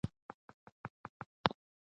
ښه سواد د هیواد د پرمختګ لاره ده.